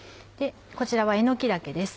こちらはえのき茸です。